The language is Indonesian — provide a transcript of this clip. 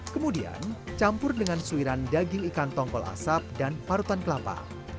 kemudian campur dengan suiran daging ikan tongkol asap dan parutan kelapa